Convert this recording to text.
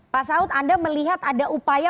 pak saud anda melihat ada upaya